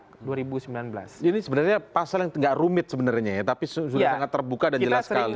jadi ini sebenarnya pasal yang tidak rumit sebenarnya ya tapi sudah sangat terbuka dan jelas sekali